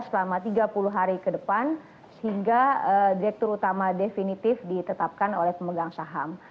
selama tiga puluh hari ke depan sehingga direktur utama definitif ditetapkan oleh pemegang saham